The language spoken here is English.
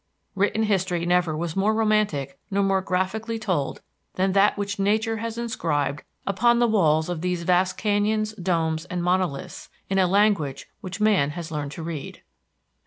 Written history never was more romantic nor more graphically told than that which Nature has inscribed upon the walls of these vast canyons, domes and monoliths in a language which man has learned to read.